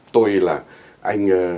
tôi là anh